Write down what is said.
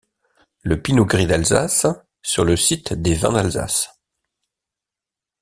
Le Pinot Gris d'Alsace sur le site des Vins d'Alsace.